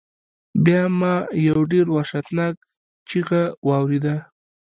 بیا ما یو ډیر وحشتناک چیغہ واوریده.